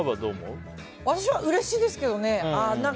私はうれしいですけどね。